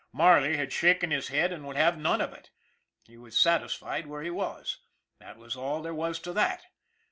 Marley had shaken his head and would have none of it. He was satisfied where he was. That was all there was to that.